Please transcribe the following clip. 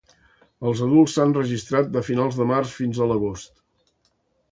Els adults s'han registrat de finals de març fins a agost.